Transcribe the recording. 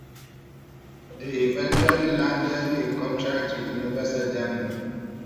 They eventually landed a contract with Universal Germany.